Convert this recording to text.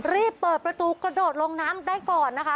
รีบเปิดประตูกระโดดลงน้ำได้ก่อนนะคะ